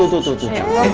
oh itu itu itu